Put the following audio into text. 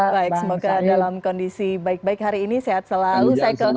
baik semoga dalam kondisi baik baik hari ini sehat selalu